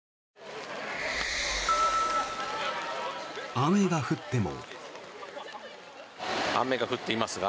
雨が降っても。